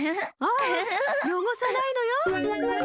あよごさないのよ。